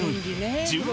１０万